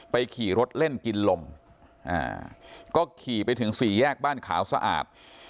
ขี่รถเล่นกินลมก็ขี่ไปถึงสี่แยกบ้านขาวสะอาด